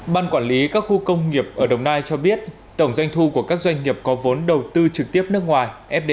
ban quản lý các khu công nghiệp ở đồng nai cho biết tổng doanh thu của các doanh nghiệp có vốn đầu tư trực tiếp nước ngoài fdi